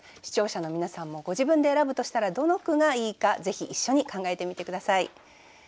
視聴者の皆さんもご自分で選ぶとしたらどの句がいいかぜひ一緒に考えてみて下さい。